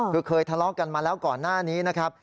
คือเคยทะเลาะกันมาแล้วก่อนหน้านี้นะครับ